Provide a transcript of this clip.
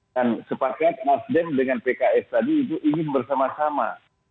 dan sepaket nasdem dengan pks tadi itu ingin bersama sama